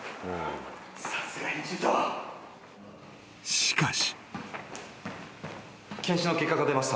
［しかし］